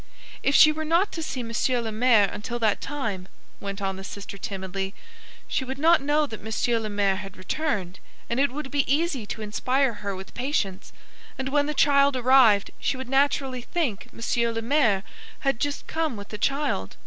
"If she were not to see Monsieur le Maire until that time," went on the sister, timidly, "she would not know that Monsieur le Maire had returned, and it would be easy to inspire her with patience; and when the child arrived, she would naturally think Monsieur le Maire had just come with the child.